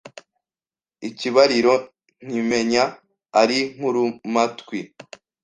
Ikibariro nkimenya ari nkurumatwi